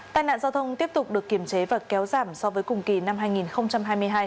tai nạn giao thông tiếp tục được kiểm chế và kéo giảm so với cùng kỳ năm hai nghìn hai mươi hai